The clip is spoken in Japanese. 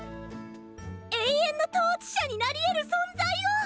永遠の統治者になりえる存在を！